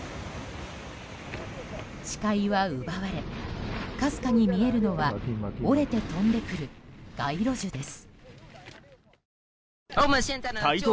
視界は奪われかすかに見えるのは折れて飛んでくる街路樹です。